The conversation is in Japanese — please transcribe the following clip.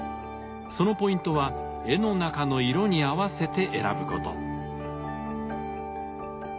そのポイントは絵の中の色に合わせて選ぶこと。